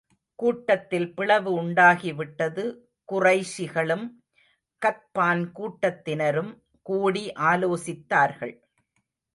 கூட்டத்தில் பிளவு உண்டாகி விட்டது குறைஷிகளும், கத்பான் கூட்டத்தினரும் கூடி ஆலோசித்தார்கள்.